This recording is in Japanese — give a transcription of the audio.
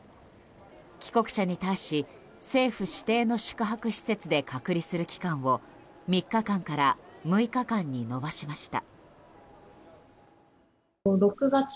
帰国者に対し、政府指定の宿泊施設で隔離する期間を３日間から６日間に延ばしました。